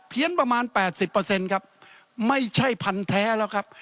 ประมาณ๘๐ครับไม่ใช่พันธุ์แท้แล้วครับ